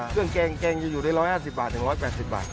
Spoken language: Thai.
เครื่องแกงแกงอยู่ใน๑๕๐บาทถึง๑๘๐บาท